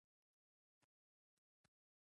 موږ په لږ و ډېر تفاوت یو ډول یو.